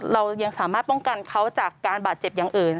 เรายังสามารถป้องกันเขาจากการบาดเจ็บอย่างอื่น